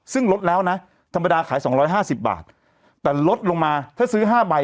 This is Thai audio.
ซึ่งลดแล้วนะธรรมดาขายสองร้อยห้าสิบบาทแต่ลดลงมาถ้าซื้อห้าใบ